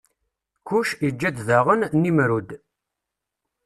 Kuc iǧǧa-d daɣen Nimrud.